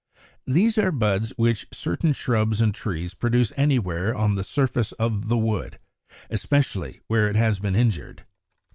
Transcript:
= These are buds which certain shrubs and trees produce anywhere on the surface of the wood, especially where it has been injured.